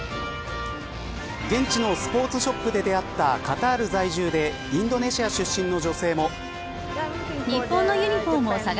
現地のスポーツショップで出会ったカタール在住でインドネシア出身の女性も。